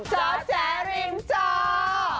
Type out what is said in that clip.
จ้าแจริมจ้า